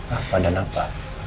apa dan apa